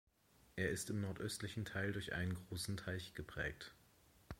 Er ist im nordöstlichen Teil durch einen großen Teich geprägt.